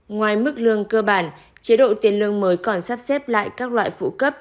ngoài mức lương cơ bản chế độ tiền lương mới còn sắp xếp lại các loại phụ cấp